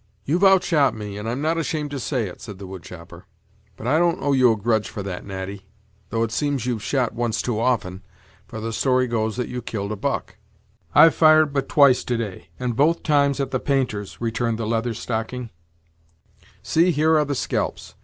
"You've outshot me, and I'm not ashamed to say it," said the wood chopper; "but I don't owe you a grudge for that, Natty! though it seems that you've shot once too often, for the story goes that you've killed a buck." "I've fired but twice to day, and both times at the painters," returned the Leather Stocking; "see, here are the scalps!